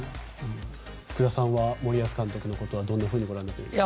福田さんは森保監督のことはどんなふうにご覧になっていますか。